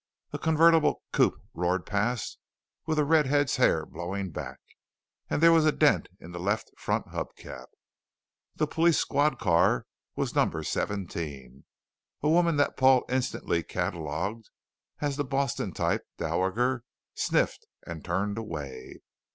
A convertible coupe roared past with a redhead's hair blowing back, there was a dent in the left front hubcap. The police squad car was Number 17. A woman that Paul instantly catalogued as the Boston Type Dowager sniffed and turned away.